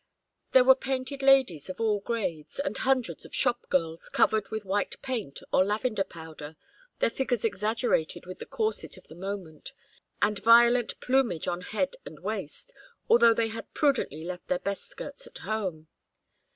There were painted ladies of all grades, and hundreds of shop girls, covered with white paint or lavender powder, their figures exaggerated with the corset of the moment, and violent plumage on head and waist, although they had prudently left their best skirts at home.